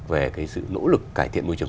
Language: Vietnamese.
về cái sự nỗ lực cải thiện môi trường